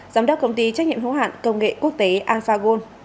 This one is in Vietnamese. giám đốc công ty trách nhiệm hữu hạn công nghệ quốc tế alphagon